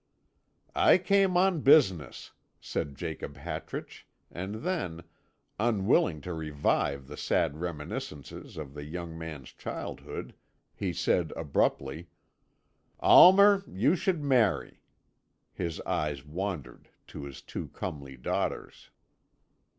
"I came on business," said Jacob Hartrich, and then, unwilling to revive the sad reminiscences of the young man's childhood, he said abruptly: "Almer, you should marry." His eyes wandered to his two comely daughters.